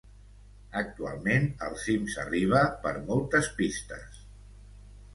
Actualment al cim s'arriba per moltes pistes.